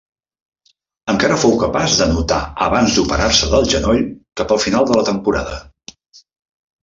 Encara fou capaç d'anotar abans d'operar-se del genoll cap al final de la temporada.